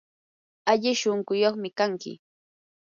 ali shunquyuqmi kanki.